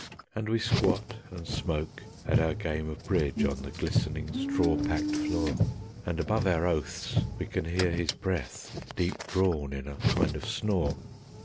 And we squat and smoke at our game of bridge on the glistening, straw packed floor, And above our oaths we can hear his breath deep drawn in a kind of snore.